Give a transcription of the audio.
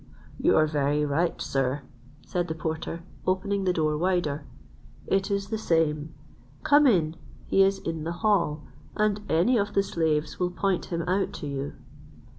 "You are very right, sir," said the porter, opening the door wider; "it is the same; come in; he is in the hall, and any of the slaves will point him out to you."